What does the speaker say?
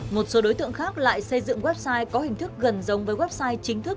một số đối tượng khác lại xây dựng website có hình thức gần giống với website chính thức